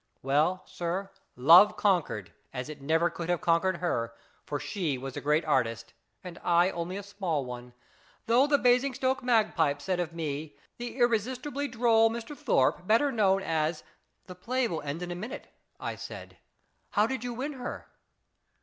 Well, sir, love conquered, as it IS IT A MAN? 269 never could have conquered her, for she was a great artist, and I only a small one, though the Basingstoke Magpie said of me, ' The irre sistibly droll Mr. Thorpe, better known as "The play will end in a minute/' I said. " How did you win her